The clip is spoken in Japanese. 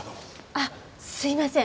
あっすいません。